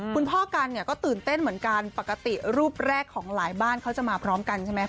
คุณพ่อกันเนี่ยก็ตื่นเต้นเหมือนกันปกติรูปแรกของหลายบ้านเขาจะมาพร้อมกันใช่ไหม